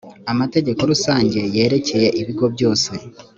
amategeko rusange yerekeye ibigo byose